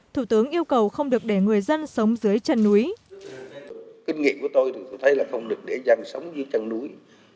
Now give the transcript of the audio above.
thủ tướng yêu cầu không được để người dân sống dưới chân núi